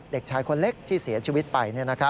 เด็กชายคนเล็กที่เสียชีวิตไป